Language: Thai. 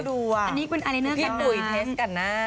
อันนี้เป็นอาเลนเตอร์กับหน้า